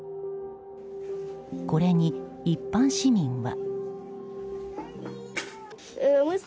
これに、一般市民は。